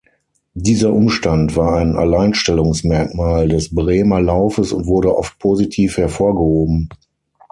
Dieser Umstand war ein Alleinstellungsmerkmal des Bremer Laufes und wurde oft positiv hervorgehoben.